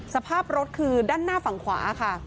สภาพรถคือด้านหน้าฝั่งขวาค่ะ